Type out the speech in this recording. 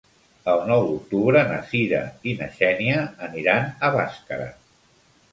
El nou d'octubre na Sira i na Xènia aniran a Bàscara.